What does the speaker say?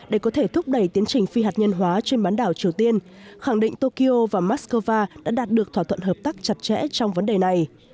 để có thể thúc đẩy tiến trình phi hạt nhân hóa trên bán đảo triều tiên khẳng định tokyo và moscow đã đạt được thỏa thuận hợp tác chặt chẽ trong vấn đề này